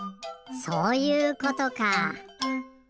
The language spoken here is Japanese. そういうことか。